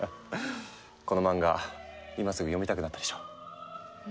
この漫画今すぐ読みたくなったでしょ？